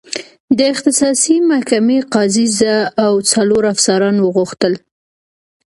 د اختصاصي محکمې قاضي زه او څلور افسران وغوښتل.